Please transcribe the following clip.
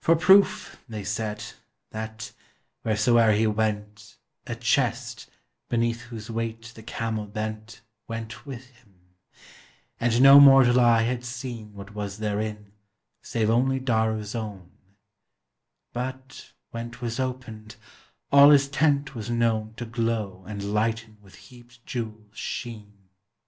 For proof, they said, that, wheresoe'er he went, A chest, beneath whose weight the camel bent, Went with him ; and no mortal eye had seen What was therein, save only Dara's own; But, when 't was opened, all his tent was known To glow and hghten with heaped jewels' sheen.